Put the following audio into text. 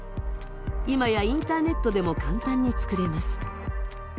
今やインターネットでも簡単に作れます。